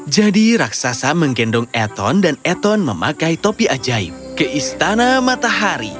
jadi raksasa menggendong eton dan eton memakai topi ajaib ke istana matahari